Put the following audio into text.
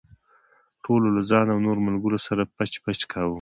ټولو له ځان او نورو ملګرو سره پچ پچ کاوه.